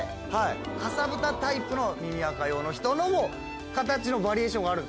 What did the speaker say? かさぶたタイプの耳あか用の人のも形のバリエーションがあると。